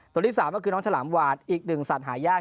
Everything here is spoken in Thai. ตัวที่๓ก็คือน้องฉลามหวานอีกหนึ่งสัตว์หายาก